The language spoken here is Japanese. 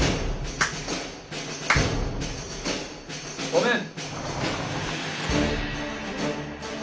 ・ごめん。